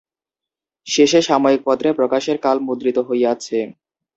শেষে সাময়িকপত্রে প্রকাশের কাল মুদ্রিত হইয়াছে।